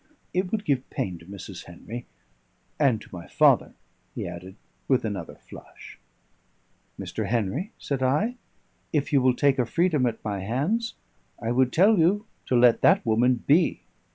It would give pain to Mrs. Henry ... and to my father," he added, with another flush. "Mr. Henry," said I, "if you will take a freedom at my hands, I would tell you to let that woman be.